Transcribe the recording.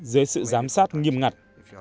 dưới sự giám sát nghiêm ngặt